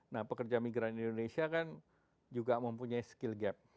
nah pekerja migran indonesia kan juga mempunyai skill gap